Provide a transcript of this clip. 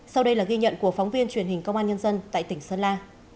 sau đây là ghi nhận của phóng viên truyền hình công an nhân dân tại tỉnh sơn la